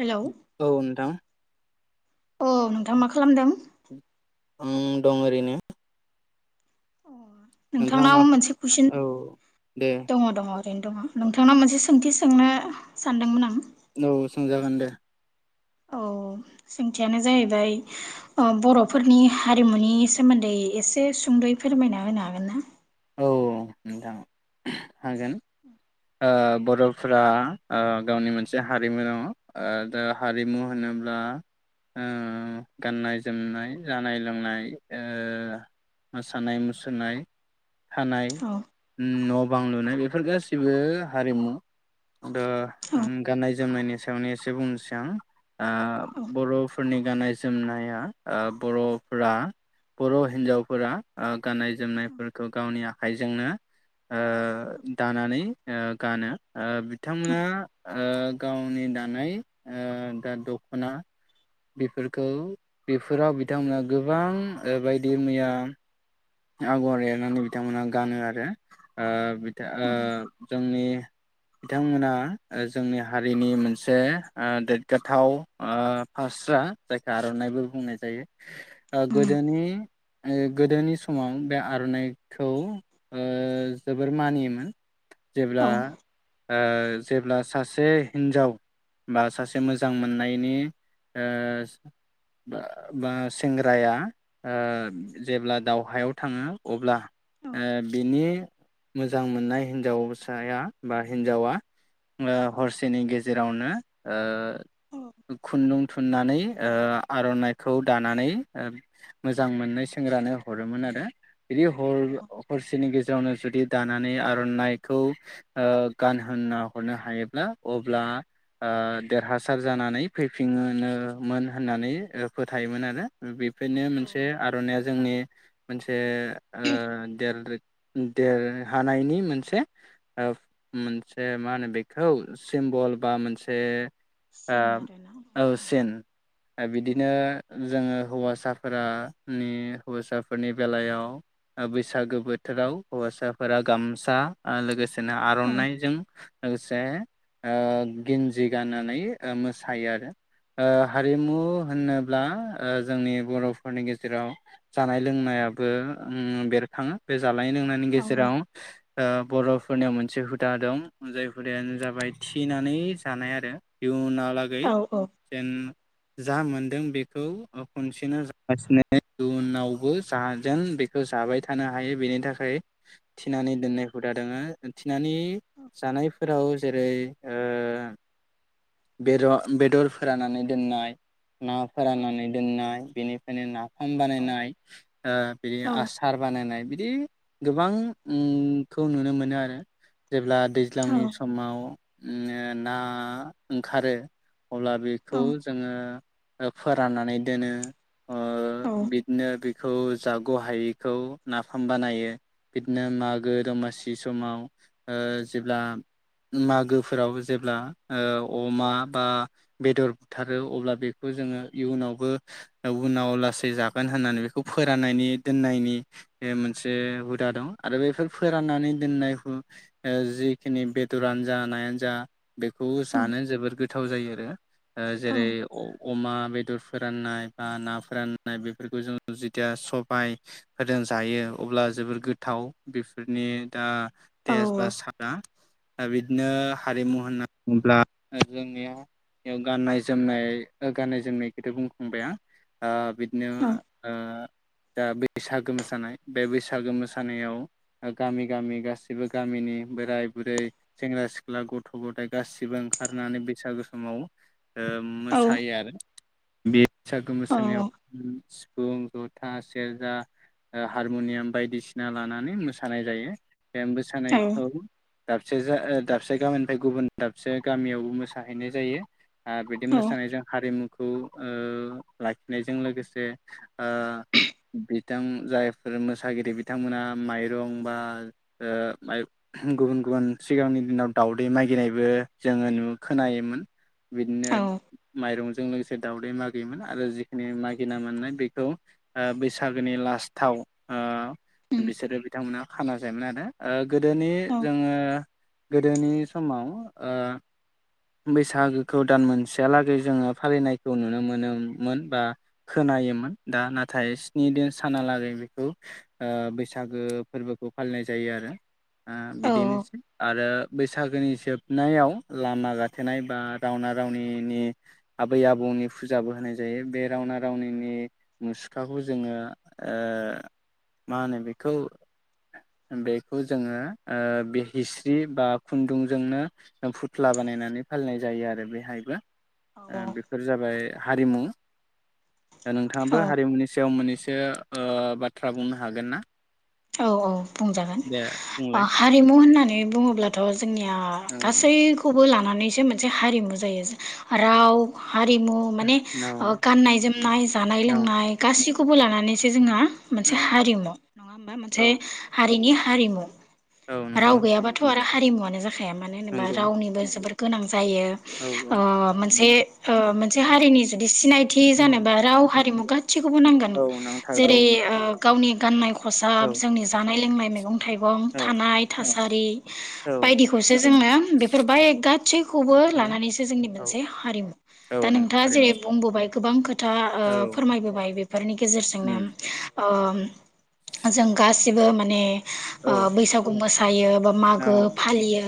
Hello औ नोंथां ओ नोंथां मा खालामदों? आं दं ओरैनो अ नोंथाङा मा नोंथांनाव मोनसे कुइसन औ दे दङ दङ ओरैनो दङ नोंथांनाव मोनसे सोंथि सोंनो सानदोंमोन आं। औ सोंजागोन दे। औ सोंथियानो जाहैबाय ओ बरफोरनि हारिमुनि सोमोन्दै एसे सुंदयै फोरमायना होनो हागोन ना? औ नोंथां हागोन आ बरफ्रा ओ गावनि मोनसे हारिमु दङ ओ दा हारिमु होनोब्ला उम गाननाय जोमनाय, जानाय लोंनाय, ओ मोसानाय मुसुरनाय थानाय औ न बां लुनाय बेफोर गासिबो हारिमु दा औ गाननाय जोमनायनि सायाव एसे बुंनोसै आं आ औ बरफोरनि गाननाय जोमनाया आ बरफोरा बर हिनजावफोरा ओ गाननाय जोमनायफोर खौ गावनि आखाइजोंनो आ दानानै ओ गानो आ बिथांमोना आ गावनि दानाय ओ दा दखना बेफोरखौ बेफोराव बिथांमोना गोबां बायदि मैया आगर एरनानै बिथांमोनहा गानो आरो ओ बि आ उम जोंनि बिथांमोना ओ जोंनि हारिनि मोनसे आ देरगाथाव आ फास्रा जायखौ आरनाइबो बुंनाय जायो ओ उम गोदोनि गोदोनि सम समाव बे आरनाइखौ ओ जोबोर मानियोमोन। औ जेब्ला ओ जेब्ला सासे हिन्जाव बा सासे मोजां मोननायनि ओ बा सेंग्राया ओ जेब्ला दाव हायाव थाङो अब्ला ओ बिनि मोजां मोननाय हिन्जावसाया बा हिन्जावा ओ हरसेनि गेजेरावनो औ ओ खुन्दुं थुननानै ओ आरनाइखौ दानानै मोजां मोननाय सेंग्रानो हरोमोन आरो। बिदि हर औ हरसेनि गेजे रावनो जुदि दानानै आरनाइखौ गानहोना हरनो हायोब्ला अब्ला ओ देरहासार जानानै फैफिनोमोन होननानै फोथायोमोन आरो बे बेफोरनो औ मोनसे आरनाइया जोंनि मोनसे ओ देल देरहानायनि मोनसे ओ मोनसे मा होनो बेखौ सिम्बल बा मोनसे ओ सिन आरोना औ सेन औ बिदिनो जोङो हौवासाफोरानि हौवासाफोरनि बेलायाव बैसागो बोथोराव हौवासाफोरा गामसा लोगोसे बिदिनो औ आरनाइजों लोगोसे ओ गिन्जि गाननानै मोसायो आरो हारिमु होनोब्ला जोंनि बर'फोरनि गेजेराव जानाय लोंनायाबो बेरखाङो बे जानाय लोंनायनि औ गेजेराव बर' फोरनियाव मोनसे हुदा दं जाय हुदायानो जाबाय थिनानै जानाय आरो इउनाव लागै औ औ जेन जा मोनदों बेखौ खनसेनो जागासिनो उनाव बो जाजेन बेखौ जाबाय थानो हायो बेनि थाखाय थिनानानै दोननायखौ हुदा दोङो थिनानानै जानायफोराव जेरै ओ बेर बेदर फोराननानै दोननाय ना औ फोराननानै दोननाय बेनिफ्रायनो फम बानायनाय बिदि आसार बानायनाय बिदि गोबांखौ नुनो मोनो आरो जेब्ला दैज्लांनि समाव ना ओंखारो अब्ला बेखौ जोङो फोराननानै दोनो ओ बिदिनो बि बेखौ जागहायैखौ नाफाम बानायो बिदिनो मागो दमासि समाव ओ जेब्ला मागोफोराव जेब्ला अमा बा बेदर बुथारो अब्ला बेखौ जोङो इयुनावबो उनाव लासै जागोन होननानै बे खौ फोराननानै दोननायनि मोनसे हुदा दं आरो बेफोर फोराननानै दोननाय जिखिनि बेदरानो जा नायानो जा बेखौ जानो जोबोर गो गोथाव जायो आरो औ जेरै अमा बेदर फोराननाय बा ना फोराननाय बेफोरखौ जों जेथिया सबायफोरजों जायो अब्ला जोबोर गोथाव बेफोरनि दा औ तेज औ बा सातआ बिदिनो हारिमु होननानै बुङोब्ला जोंनियाव गाननाय जोमनाय गाननाय जोमनायखौथ बुंखांबाय आं बिदिनो दा बैसागो मोसानाय बे बैसागो मोसानायाव गामि गामि गासैबो गामिनि बोराइ बुरै सेंग्रा सिख्ला गथ' गथाइ गासिबो ओंखारनानै बैसागो समाव मोसायो आरो बे बैसागो मोसानायाव [unintelligible] जथा सेरजा हारमुनियाम बायदिसिना लानानै मोसानाय जायो। बे मोसानायखौ दाबसे दाबसे गामिनिफ्राय गुबुन दाबसे गामियावबो मोसाहैनाय जायो। बिदि मोसानायजों हारिमु खौ लाखिनायजों लोगोसे बिथां जायफोर मोसागिरि बिथांमोना माइरं बा गुबुन गुबुन सिगांनि दिनाव दावदै मागिनायबो जोङो खोनायोमोन। बिदिनो माइरंजों लोगोसे दाावदै मागियोमोन आरो जिखिनि मागिना मोननाय बेखौ बैसागोनि लास्टाव बुंजागोन बिसोरो बिथांमोना खाना जायोमोन आरो गोदोनि जोङो गोदोनि समाव बैसागोखौ दान मोनसेहालागै जोङो फालिनायखौ नुनो मोनोमोन बा खोनायोमोन। दा नाथाय स्नि दिन सानालागै बेखौ बैसागो फोरबोखौ फालिनाय जायो आरो बिदिनोसै आरो बैसागोनि जोबनायाव लामा गाथेनाय बा रावना रावनिनि आबै आबौनि फुजाबो होनाय जायो बे रावना रावनिनि मुसुखाखौ जोङो मा होनो बेखौ बेखौ जोङो बे हिस्रि बा खुन्दुंजोंनो फुथ्ला बानायनानै फालिनाय जायो आरो बेहायबो आ बेफोर जाबाय हारिमु [unintelligible] आं बे हारिमुनि सायाव मोननैसो ओ बाथ्रा बुंनो हागोन ना? औ औ बुंजागोन दे बुंलाय हारिमु होननानै बुङोब्ला थ जोंनिया औ गासैखौबो लानानै नैसो मोनसे हारिमु जायो राव हारिमु माने औ ओ गाननाय जोमनाय जानाय औ लोंनाय गासिखौबो खौबो लानानैसो जोंहा मोनसे हारिमु [unintelligible] औ मोनसे हारिनि हा हारिमु। औ राव नंगौ गैयाबाथ आरो हारिमुआनो जा खाया मानो होनोबा नंगौ रावनिबो जोबोर गोनां जायो औ औ ओ मोनसे ओ मोनसे नंगौ हारिनि जुदि सिनायथि जानोबा राव हारिमु गासिखौबो नांगोन औ नांथारगौ जेरै ओ गावनि गाननाय औ खसाब जोंनि जानाय लोंनाय मैगं थाइगं औ थानाय थास आरि औ बायदिखौसो जोनो बेफोर बाय गासैखौबो नंगौ लानानैसो जोंनि औ मोनसे हारिमु औ दा नंगौ नोंथाङा थारैनो जेरै बुंबोबाय गोबां खोथा ओ औ फोरमायबोबाय बेफोरनि गेजेरजोंनो ओ [inaudible] जों गासिबो माने ओ औ बैसागु मोसा थायो बा औ मागो फालियो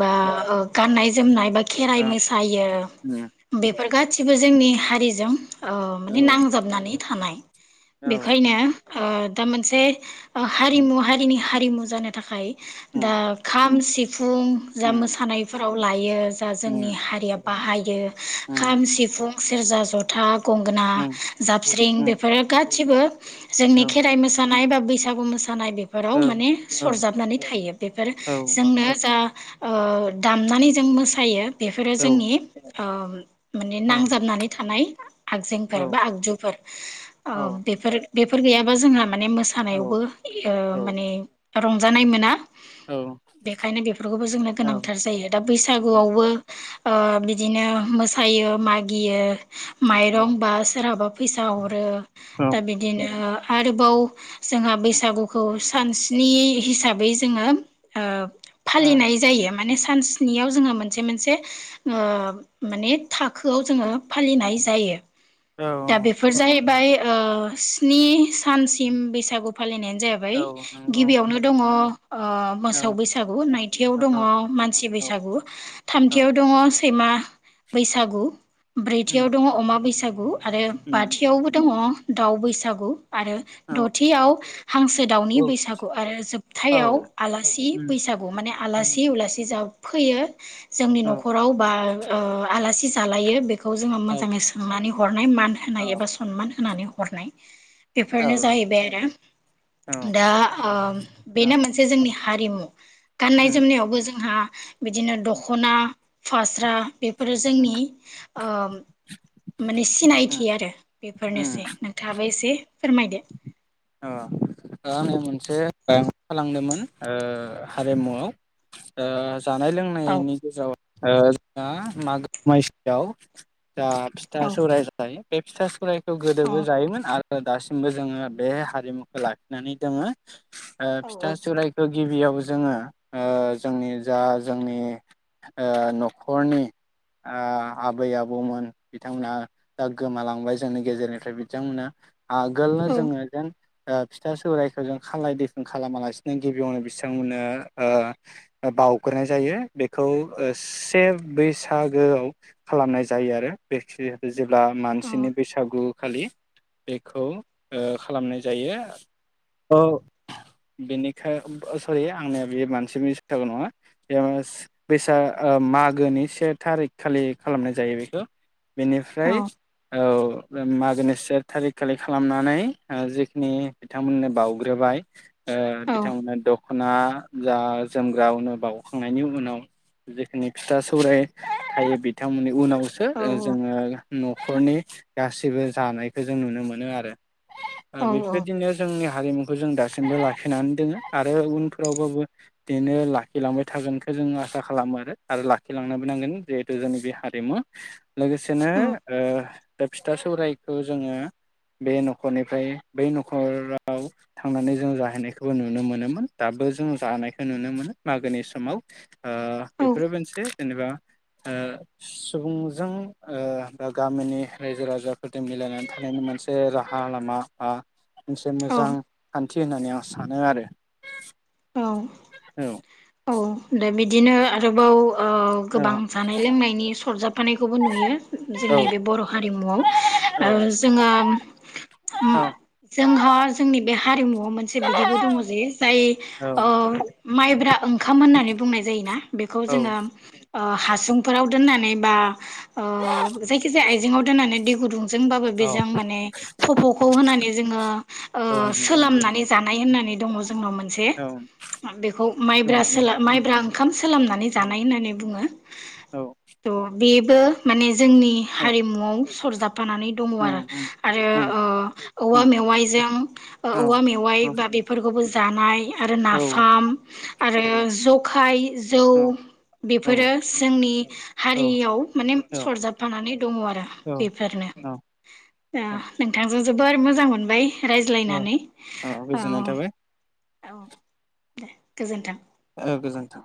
बा ओ गाननाय जोमनाय बा खेराइ मोसायो उम बे बेफोर गासिबो जोंनि हारिजों औ माने नांजाबनानै थानाय औ बेखायनो [unintelligible] दा मोनसे उम हारिमु हारिनि हारिमु जानो थाखाय उम दा खाम सि फुन जा उम मोसानायफोर फाव लायो जा जोंनि उम हारिया बाहायो उम खाम सिफुं सेरजा जथा गंगोना उम जाबस्रिं उम बेफोरो गा गासिबो औ जोंनि मोसानाय बा बैसागु मोसानाय जानाय औ बेफोराव माने सरजाबनानै थायो बेफोरो औ जोंनो जा ओ दामनानै जों मोसायो बेफोरो जोंनि [unintelligible] माने औ नांजाबनानै थानाय औ आगजेंफोर बा आगजुफोर ओ बेफोर बेफोर गैया बा जोंहा माने औ मोसानायावबो ओ माने रंजानाय मोना औ बेखायनो बेफोरखौबो जोंनो औ गोनांथार जायो दा बैसागुआवबो ओ बिदिनो मोसायो मागियो औ माइरं बा सोरहाबा फैसा हरो दा बिदिनो आरो बाव जोंहा बैसागुखौ सानस्नि हिसाबै जोङो ओ उम फालिनाय जायो माने सान सनियाव जोङो मोनसे मोनसे ओ माने थाखोआव जोङो फालिनाय जायो औ दा बेफोर जाहै बाय ओ स्नि सानसिम बैसागु फालिनाय औ जाहैबाय नंगौ गिबियावनो दङ ओ औ मोसौ बैसागु नैथियाव दङ औ मानसि औ बैसागु औ थामथियाव दङ सैमा बैसागु उम ब्रैथियाव दङ अमा बैस बैसाग आरो उम बाथियावबो दङ दाउ बैसागु आरो औ दथियाव हांसो दाउनि औ बैसागु आरो औ जोबथायाव आलासि उम बैसागु माने उम आलासि उलासि जा फैयो जोंनि औ औ नखराव बा ओ आलासि जालायो बे खौ जोंनाव औ मोजाङै सोंनानै होनाय मान होनाय औ एबा सनमान होनानै हरनाय। बेफोरनो उम जाहैबाय आरो दा ओ बेनो मोनसे जोंनि हारिमु। गाननाय उम जोमनायावबो जोंहा बिदिनो दखना फास्रा बे फोर उम जोंनि ओ माने उम सिनायथि आरो। उम बेफोरनोसै नोंथाङा एसे फोरमायदो। ओ दा आङो मोनसे थालांदोंमोन ओ हारिमुआव ओ जानाय औ लोंनायनि गेजेराव ओ जोङा मागो दमासिआव दा फिथा औ सौराय जायो। बेे फिथा सौराय खौ अ गोदोबो जायोमोन आरो दासिमबो जोङो बे हारिमुखौ लाखिनानै दोङो। ओ औ फिथा सौरायखो गिबियाव जोङो ओ जोंनि जा जोंनि ओ नखरनि ओ आबै आबौमोन बिथांमोना दा गोमालांबाय जोंनि गेजेरनिफ्राय बिथांमोना। आगोलनो औ जोङो जेन दा फिथा सौरायाइखौ जों खालाय दैखोन खालामालासिनो गिबियावनो बिथांमोननो ओ बावग्रोनाय जायो बेखौ ओ से बैसागोआव खालामनाय जायो आरो बेखि जेब्ला मानसिनि बैसागु खालि बेखौ ओ खालामनाय जायो औ बेनिखाय सरि आंनिया बे मानसिनि बैसागो नङा बे बैसाग मागोनि से थारिख खालि खालामनाय जायो बेखौ। औ बेनिफ्राय औ। मागोनि से थारिख खालि खालामनानै ओ जि खिनि बिथांमोननो बावउग्रोबाय ओ औ बिथांमोना दख दखना जा जोमग्रा उनु बावखांनायनि उनाव जिखिनि फिथा सौराय थायो बिथांमोननि उनावसो औ जोङो नखरनि गासैबो जानायखौ जों नुनो मोनो आरो ओ औ बेफोरबायदिनो जोंनि हारिमुख खौ जों दासिमबो लाखिनानै दोङो आरो उनफोरावबाबो बिदिनो लाखिलांबाय थागोनखौ जों आसा खालामोआरो आरो लाखिलांनोबो नांगोन जिहेथु जोंनि बे हारिमु लोगोसेनो दा फिथा सौरायखौ जोङो बे नखरनिफ्राय बै नखराव थांनानै जों जाहैनायखौबो नुनो मोनोमोन दाबो जों जानायखौ नुनो मोनो मागोनि समाव ओ बेफोरो मोनसे जेनेबा ओ सुबुंजों ओ बा गामिनि रायजो राजाफोरजों मिलायनानै थानायनि मोनसे राहा लामा आ मोनसे औ मोजां खान थि होननानै आं सानोआरो औ दे बिदिनो आरोबाव ओ औ गोबां जानाय लोंनायनि सरजाबफानायखौबो नुयो औ जोंनि बे बर' हारिमुआव जोङो जोंहा जोंनि बे हारिमुवआव मोनसे बिदिबो दङ जे जाय औ ओ माइब्रा ओं ओंखाम होननानै बुंनाय जायो ना बेखौ औ जोङो ओ हासुंफोराव दोनानै बा ओ जायखि जाया आइजेङाव दोननानै दै गुदुं जोंबाबो औ बेजों माने खफखौ होनानै जोङो औ नंगौ नंगौ सोलामनानै जानाय होननानै दङ जोंनाव मोनसे औ बेखौ औ माइब्रा सोला माइब्रा ओंखाम सोलामनानै जानाय होननानै बुङो औ त' बेबो माने जोंनि औ हारिमुआव सरजाब फानानै उम दङआरो उम आरो उम औवा उम मेवआइजों ओ बा औ औवा मेवाइ औ बा बेफोरखौबो जो जानाय आरो औ नाफाम आरो जखाय जौ औ बेफोरो जोंनि औ हारियाव माने औ सरजाबफानानै दङ आरो औ बेफोरनो औ ओ औ नोंथांजों जोबोर मोजां मोनबाय औ रायज्लायनानै औ गोजोननाय थाबाय औ दे गोजोन्थों ओ गोजोन्थों